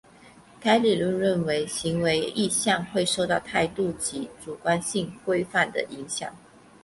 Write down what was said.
该理论认为行为意向会受到态度及主观性规范的影响。